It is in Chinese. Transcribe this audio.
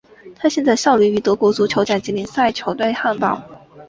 他现在效力于德国足球甲级联赛球队汉堡。